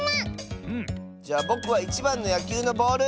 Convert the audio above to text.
じゃぼくは１ばんのやきゅうのボール！